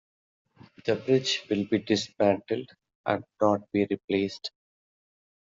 The bridge will be dismantled, and not be replaced.